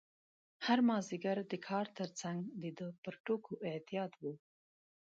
هره مازدیګر د کار ترڅنګ د ده پر ټوکو اعتیاد و.